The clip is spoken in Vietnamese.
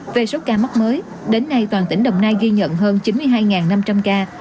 về số ca mắc mới đến nay toàn tỉnh đồng nai ghi nhận hơn chín mươi hai năm trăm linh ca